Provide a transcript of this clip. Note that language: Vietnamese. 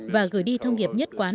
và gửi đi thông hiệp nhất quán